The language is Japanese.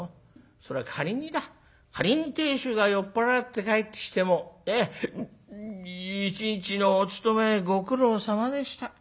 そら仮にだ仮に亭主が酔っ払って帰ってきても『一日のお勤めご苦労さまでした。